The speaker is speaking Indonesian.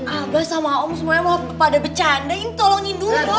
abah sama om semuanya pada bercanda ini tolongin dulu dong